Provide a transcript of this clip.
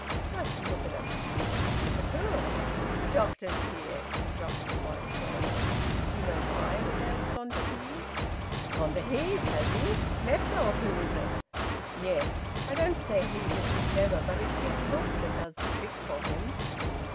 "Just look at 'em!" "Look at who?" "The doctors here." He dropped his voice further. "Do you know why the dad's gone to Heve?" "Gone to Heve, has he? Left old Who is it?" "Yes. I don't say Heve isn't clever, but it's his look that does the trick for him."